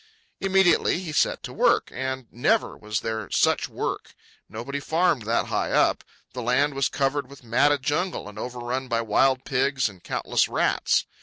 Immediately he set to work. And never was there such work. Nobody farmed that high up. The land was covered with matted jungle and overrun by wild pigs and countless rats.